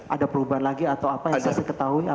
ada perubahan lagi atau apa yang dikasih ketahui